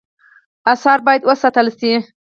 آثار باید وساتل شي